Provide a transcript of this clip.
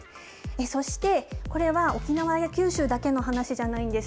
そして、これは沖縄や九州だけの話じゃないんです。